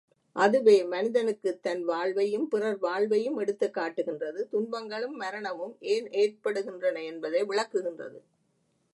அதுவே மனிதனுக்குத் தன் வாழ்வையும், பிறர் வாழ்வையும் எடுத்துக் காட்டுகின்றது துன்பங்களும் மரணமும் ஏன் ஏற்படுகின்றன என்பதை விளக்குகின்றது.